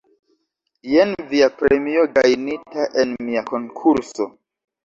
Jen via premio gajnita en mia konkurso